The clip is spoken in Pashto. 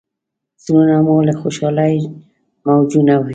زړونه مو له خوشالۍ موجونه وهي.